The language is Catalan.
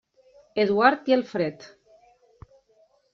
Eduard i Alfred.